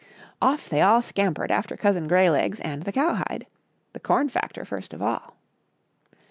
Off they all scampered after Cousin Greylegs and the cowhide. The corn factor first of all.